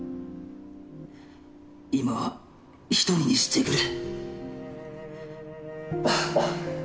今は一人にしてくれ